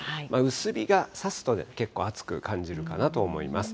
薄日がさすと結構暑く感じるかなと思います。